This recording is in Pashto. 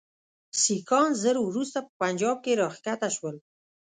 سیکهان ژر وروسته په پنجاب کې را کښته شول.